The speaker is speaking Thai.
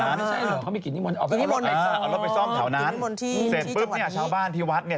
เอารถไปซ่อมเท่านั้นเสร็จปุ๊บเนี่ยชาวบ้านที่วัดเนี่ย